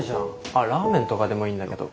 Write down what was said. あっラーメンとかでもいいんだけど。